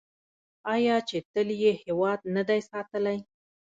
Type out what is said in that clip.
آیا چې تل یې هیواد نه دی ساتلی؟